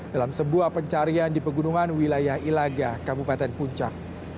dalam sebuah pencarian di pegunungan wilayah ilaga kabupaten puncak